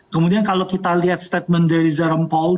kemudian kalau kita lihat statement dari jerome paul